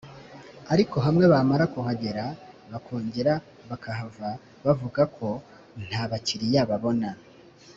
ariko hamwe bamara kuhagera bakongera bakahava bavuga ko nta bakiriya babona